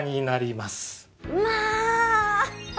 まあ！